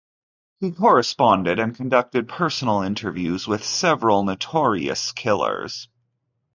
He corresponded and conducted personal interviews with several notorious killers.